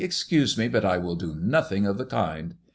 " Excuse me, but I will do nothing of the kind."